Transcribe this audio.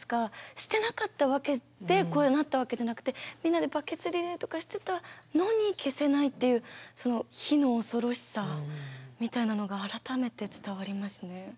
してなかったわけでこうなったわけじゃなくてみんなでバケツリレーとかしてたのに消せないっていうその火の恐ろしさみたいなのが改めて伝わりますね。